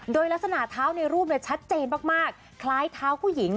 โดยลักษณะเท้าในรูปชัดเจนมากคล้ายเท้าผู้หญิง